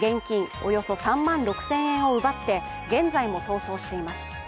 およそ３万６０００円を奪って現在も逃走しています。